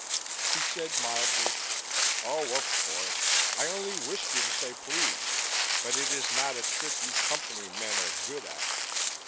He said mildly, "Oh, of course. I only wished you to say 'please' but it is not a trick you Company men are good at.